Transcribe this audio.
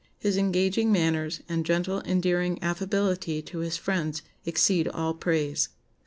His engaging manners and gentle endearing affability to his friends exceed all praise."